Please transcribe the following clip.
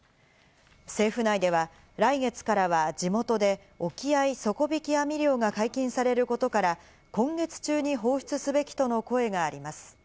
政府内では来月からは地元で沖合底引き網漁が解禁されることから、今月中に放出すべきとの声があります。